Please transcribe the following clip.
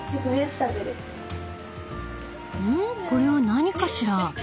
これは何かしら？